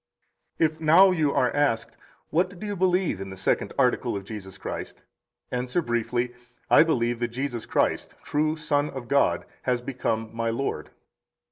27 If now you are asked, What do you believe in the Second Article of Jesus Christ? answer briefly: I believe that Jesus Christ, true Son of God, has become my Lord.